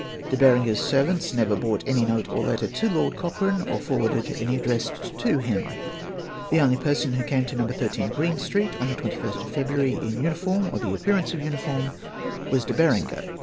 De Berenger's servants never brought any note or letter to Lord Cochrane, or forw^arded any addressed to him. The only person who came to No. 13 Green Street, on the 21st of February, in uniform, or tlie appearance of uniform, "was De Berenger.